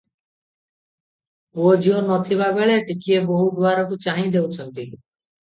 ପୁଅ ଝିଅ ନ ଥିବା ବେଳେ ଟିକିଏ ବୋହୂ ଦୁଆରକୁ ଚାହିଁ ଦେଉଛନ୍ତି ।